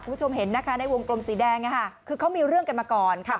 คุณผู้ชมเห็นนะคะในวงกลมสีแดงคือเขามีเรื่องกันมาก่อนค่ะ